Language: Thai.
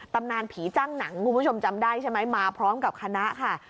ตำนานผีจ้างหนังคุณผู้ชมจำได้ใช่ไหมมาพร้อมกับคณะค่ะ